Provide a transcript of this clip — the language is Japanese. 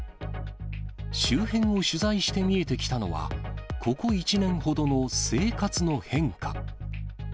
周辺を取材して見えてきたのは、ここ１年ほどの生活の変化。